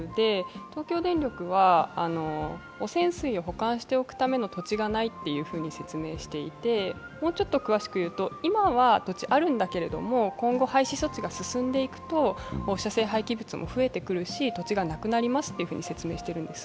東京電力は、汚染水を保管しておくための土地がないっていうふうに説明していて、もうちょっと詳しく言うと、今は土地はあるんだけれども、今後、廃止措置が進んでいくと放射性物質も増えていきますし土地がなくなりますって説明しているんです。